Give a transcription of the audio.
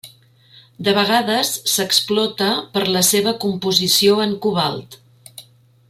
De vegades s'explota per la seva composició en cobalt.